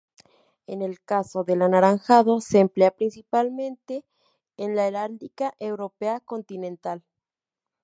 En el caso del anaranjado, se emplea principalmente en la heráldica europea continental.